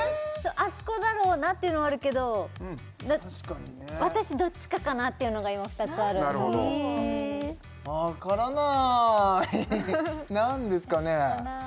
あそこだろうなっていうのはあるけど私どっちかかなっていうのが今２つあるなるほど分からない何ですかね？